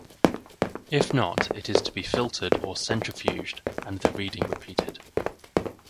If not, it is to be filtered or centrifuged and the reading repeated.